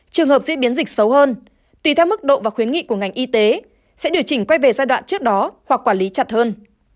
trường hợp diễn biến dịch xấu hơn tùy theo mức độ và khuyến nghị của ngành y tế sẽ điều chỉnh quay về giai đoạn trước đó hoặc quản lý chặt hơn